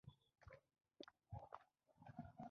خو سالیزبوري پر خپله خبره ټینګ ولاړ وو.